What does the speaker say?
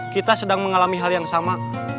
kita sedang mengalami hal yang sama